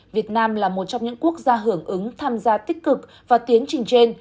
việt nam là một trong những quốc gia hưởng ứng tham gia tích cực và tiến trình trên